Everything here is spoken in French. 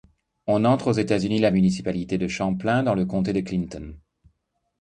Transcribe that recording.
On entre aux États-Unis la municipalité de Champlain, dans le comté de Clinton.